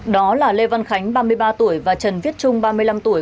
đó là lê văn khánh ba mươi ba tuổi và trần viết trung ba mươi năm tuổi